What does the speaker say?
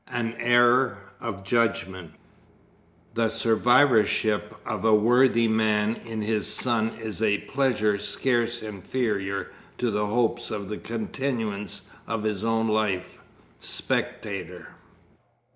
14. An Error of Judgment "The Survivorship of a worthy Man in his Son is a Pleasure scarce inferior to the Hopes of the Continuance of his own Life." _Spectator.